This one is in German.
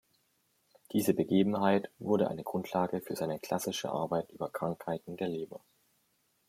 Diese Begebenheit wurde eine Grundlage für seine klassische Arbeit über Krankheiten der Leber.